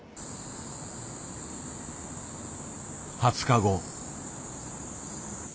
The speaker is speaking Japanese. ２０日後。